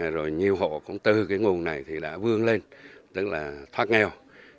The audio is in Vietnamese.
rồi nhiều hộ cũng từ cái nguồn này thì đã vương lên tức là thoát nghèo